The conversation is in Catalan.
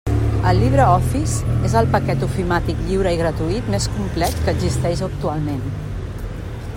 El LibreOffice és el paquet ofimàtic lliure i gratuït més complet que existeix actualment.